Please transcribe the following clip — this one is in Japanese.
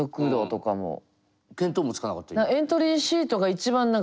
見当もつかなかった今。